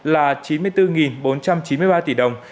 là chín mươi bốn bốn trăm chín mươi ba tỷ đồng